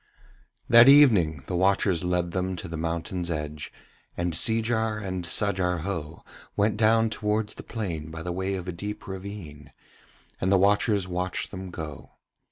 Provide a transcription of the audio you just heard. That evening the watchers led them to the mountain's edge, and Seejar and Sajar Ho went down towards the plain by the way of a deep ravine, and the watchers watched them go.